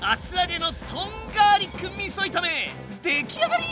出来上がり！